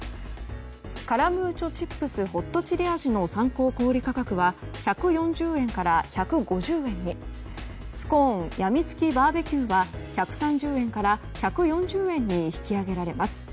カラムーチョチップスホットチリ味の参考小売価格は１４０円から１５０円にスコーンやみつきバーベキューは１３０円から１４０円に引き上げられます。